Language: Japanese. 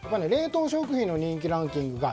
冷凍食品の人気ランキング